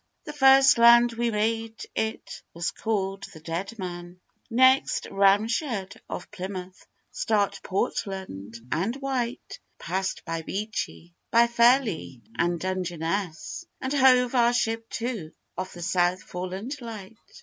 The first land we made it was callèd the Deadman, Next, Ram'shead off Plymouth, Start, Portland, and Wight; We passèd by Beachy, by Fairleigh, and Dungeness, And hove our ship to, off the South Foreland light.